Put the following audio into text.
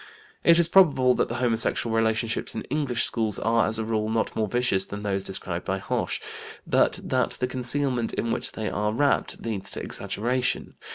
It is probable that the homosexual relationships in English schools are, as a rule, not more vicious than those described by Hoche, but that the concealment in which they are wrapped leads to exaggeration.